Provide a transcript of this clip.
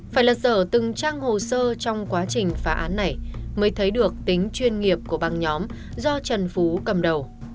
phải lật dở từng trang hồ sơ trong quá trình phá án này mới thấy được tính chuyên nghiệp của băng nhóm do trần phú cầm đầu